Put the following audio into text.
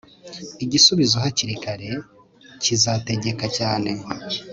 Igisubizo hakiri kare kizategeka cyane